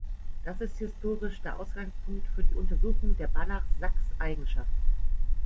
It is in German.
Das ist historisch der Ausgangspunkt für die Untersuchung der Banach-Saks-Eigenschaft.